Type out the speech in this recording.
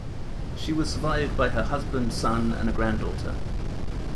She was survived by her husband, son and a granddaughter.